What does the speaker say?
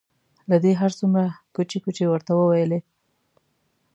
که دې هر څومره کوچې کوچې ورته وویلې.